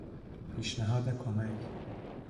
پیشنهاد کمک